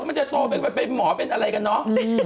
ก็ไม่รู้หรอกมันจะโตไปหมอเป็นอะไรกันเนอะ